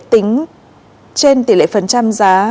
tính trên tỷ lệ phần trăm giá